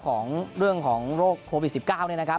ของเรื่องของโรคโควิด๑๙เนี่ยนะครับ